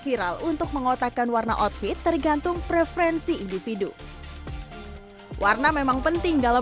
viral untuk mengotakkan warna outfit tergantung preferensi individu warna memang penting dalam